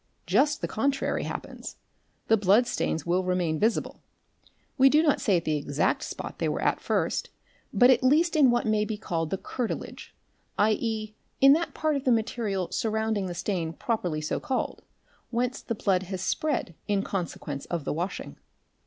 Just the contrary happens: the blood stains will remain visible, we do not say at the exact spot they were at first, but at least in what may be called the curtilage, 7.e., in hat — part of the material surrounding the stain properly so called, whence thi blood has spread in consequence of the washing.